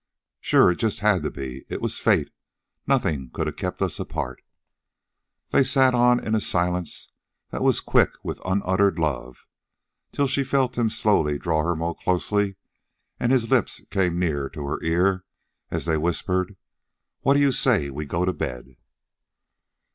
"Sure. It just had to be. It was fate. Nothing could a kept us apart." They sat on in a silence that was quick with unuttered love, till she felt him slowly draw her more closely and his lips come near to her ear as they whispered: "What do you say we go to bed?"